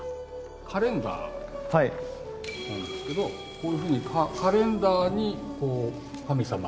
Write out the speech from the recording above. カレンダーなんですけどこういうふうにカレンダーに神様がいらっしゃる。